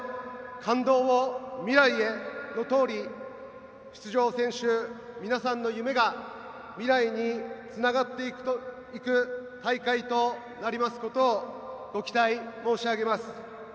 感動を未来へ。」のとおり出場選手皆さんの夢が未来につながっていく大会となりますことをご期待申し上げます。